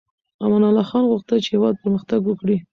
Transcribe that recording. امان الله خان غوښتل چې هېواد پرمختګ وکړي.